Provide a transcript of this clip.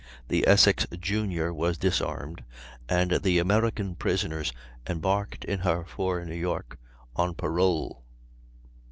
The Essex Junior was disarmed and the American prisoners embarked in her for New York, on parole.